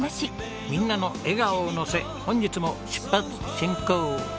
みんなの笑顔を乗せ本日も出発進行！